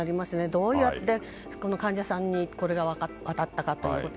どうやってこの患者さんにこれが渡ったかということ。